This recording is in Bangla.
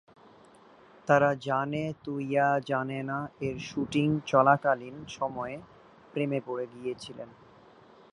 তারা জানে তু ইয়া জানে না এর শুটিং চলাকালীন সময়ে প্রেমে পড়ে গিয়েছিলেন।